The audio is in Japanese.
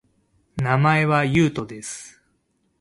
名前は、ゆうとです